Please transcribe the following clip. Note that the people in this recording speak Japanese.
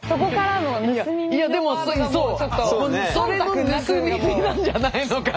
いやでもそうそれの盗み見なんじゃないのかなっていう。